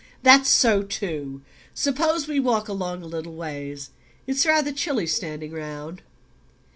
"That's so too. Suppose we walk along a little ways? It's rather chilly standing round."